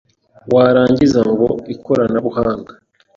warangiza ngo ikoranabuhanga